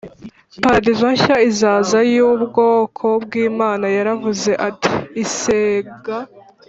paradizo nshya izaza y ubwoko bw Imana Yaravuze ati isega